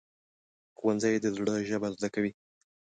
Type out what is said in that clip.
ښوونځی د زړه ژبه زده کوي